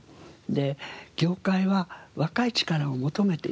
で「業界は若い力を求めています」